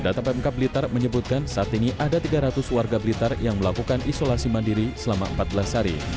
data pmk blitar menyebutkan saat ini ada tiga ratus warga blitar yang melakukan isolasi mandiri selama empat belas hari